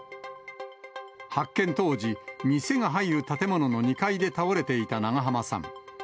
発見当時、店が入る建物の２階で倒れていた長濱さん。